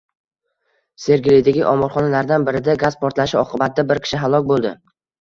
Sergelidagi omborxonalardan birida gaz portlashi oqibatida bir kishi halok bo‘ldi